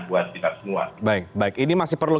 buat kita semua baik baik ini masih perlu